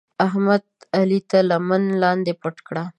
احمد؛ علي تر لمن لاندې پټ کړ.